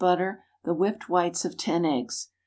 butter. The whipped whites of ten eggs.